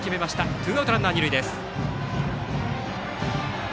ツーアウトランナー、二塁です。